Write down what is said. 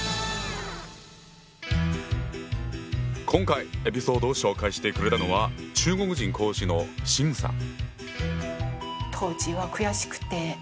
今回エピソードを紹介してくれたのは中国人講師の秦さん。